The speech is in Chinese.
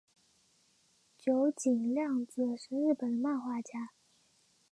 九井谅子是日本的漫画家。